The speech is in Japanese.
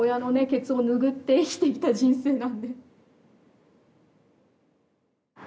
ケツを拭って生きてきた人生なんで。